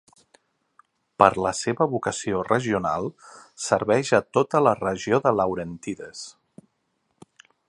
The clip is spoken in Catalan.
Per la seva vocació regional, serveix a tota la regió de Laurentides.